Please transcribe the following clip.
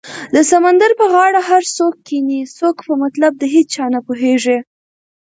د سمندر په غاړه هر څوک کینې څوک په مطلب د هیچا نه پوهیږې